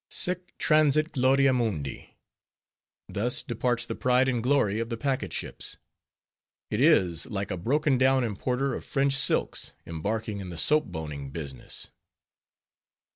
Sic transit gloria mundi! Thus departs the pride and glory of packet ships! It is like a broken down importer of French silks embarking in the soap boning business.